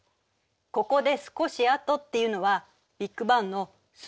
ここで「少しあと」っていうのはビッグバンの数億年後よ。